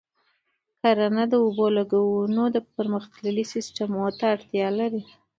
کرنه د اوبو د لګولو پرمختللي سیستمونه ته اړتیا لري.